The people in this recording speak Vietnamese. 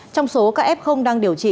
trong số ca f đang điều trị